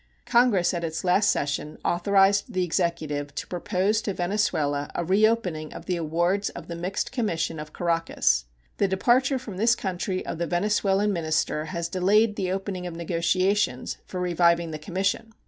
Congress at its last session authorized the Executive to propose to Venezuela a reopening of the awards of the mixed commission of Caracas. The departure from this country of the Venezuelan minister has delayed the opening of negotiations for reviving the commission.